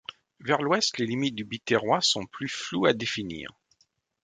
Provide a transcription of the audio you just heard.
Vers l'ouest, les limites du Biterrois sont plus floues à définir.